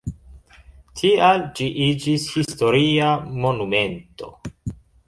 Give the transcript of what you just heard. Tial ĝi iĝis historia monumento.